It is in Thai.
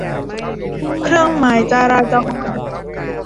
เครื่องหมายจราจร